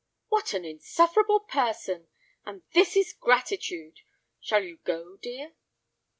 "What an insufferable person. And this is gratitude! Shall you go, dear?"